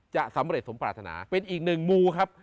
จะสำเร็จสมปรารถนาเป็นอีกหนึ่งมูครับ